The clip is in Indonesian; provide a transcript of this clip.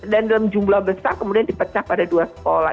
dalam jumlah besar kemudian dipecah pada dua sekolah